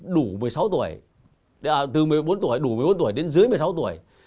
đủ một mươi sáu tuổi từ một mươi bốn tuổi đủ một mươi bốn tuổi đến dưới một mươi sáu tuổi